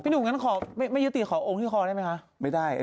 พี่หนูถ้าากับไม่ยึดติดขอโงค์ให้ครอบมาได้ไหมคะ